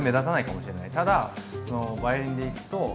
ただバイオリンでいくと。